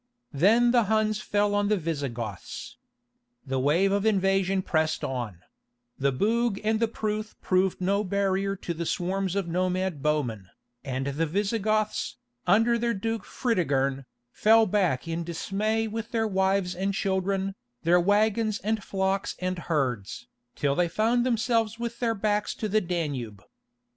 Then the Huns fell on the Visigoths. The wave of invasion pressed on; the Bug and the Pruth proved no barrier to the swarms of nomad bowmen, and the Visigoths, under their Duke Fritigern, fell back in dismay with their wives and children, their waggons and flocks and herds, till they found themselves with their backs to the Danube.